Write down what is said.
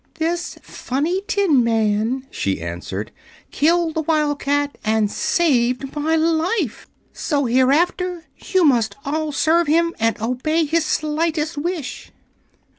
"This funny tin man," she answered, "killed the Wildcat and saved my life. So hereafter you must all serve him, and obey his slightest wish."